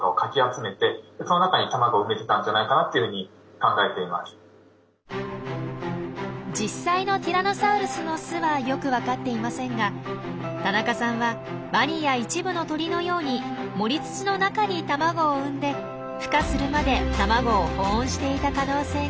例えば今生きている実際のティラノサウルスの巣はよく分かっていませんが田中さんはワニや一部の鳥のように盛り土の中に卵を産んでふ化するまで卵を保温していた可能性が高いといいます。